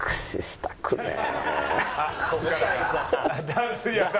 「ダンスやだ」。